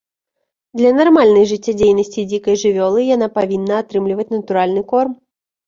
Для нармальнай жыццядзейнасці дзікай жывёлы яна павінна атрымліваць натуральны корм.